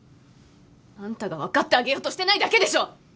あんたが分かってあげようとしてないだけでしょ！